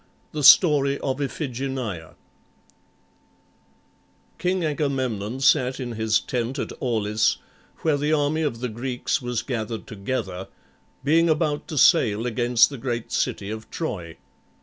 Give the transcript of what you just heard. THE STORY OF IPHIGENIA King Agamemnon sat in his tent at Aulis, where the army of the Greeks was gathered together, being about to sail against the great city of Troy.